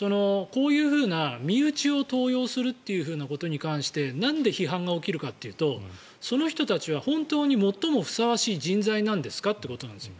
こういうふうな身内を登用するということに関してなんで批判が起きるかというとその人たちは本当にふさわしい人材なんですか？ということなんです。